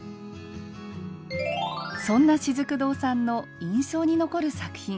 そんなしずく堂さんの印象に残る作品。